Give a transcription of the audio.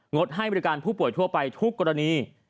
ดให้บริการผู้ป่วยทั่วไปทุกกรณี